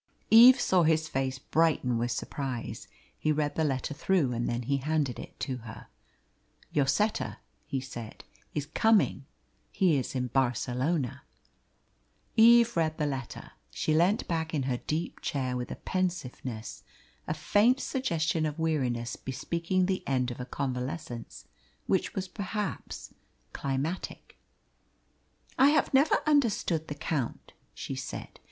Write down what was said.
Eve saw his face brighten with surprise. He read the letter through, and then he handed it to her. "Lloseta," he said, "is coming. He is in Barcelona." Eve read the letter. She leant back in her deep chair with a pensiveness, a faint suggestion of weariness bespeaking the end of a convalescence, which was perhaps climatic. "I have never understood the Count," she said.